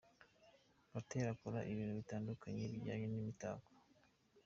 Gatera akora ibintu bitandukanye bijyanye n’imitako.